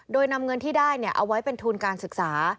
โดยนำเงินที่ได้เอาไว้เป็นทุนการศึกษา